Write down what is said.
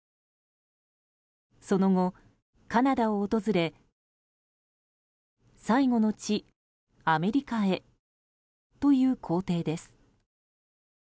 その後、カナダを訪れ最後の地アメリカへという行程です。